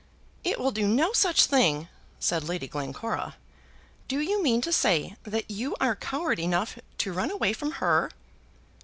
"It will do no such thing," said Lady Glencora. "Do you mean to say that you are coward enough to run away from her?"